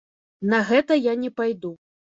На гэта я не пайду.